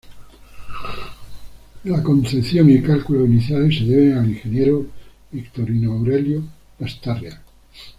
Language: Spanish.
La concepción y cálculos iniciales se deben al ingeniero Victorino Aurelio Lastarria.